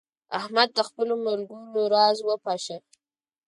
احمد د خپلو ملګرو راز وپاشه.